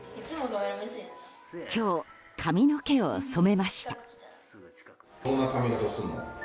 今日、髪の毛を染めました。